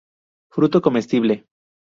Fruto comestible.